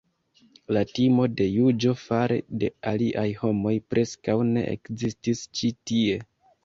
La timo de juĝo fare de aliaj homoj preskaŭ ne ekzistis ĉi tie.